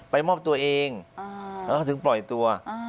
มอบตัวเองแล้วก็ถึงปล่อยตัว